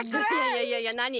いやいやいやなに？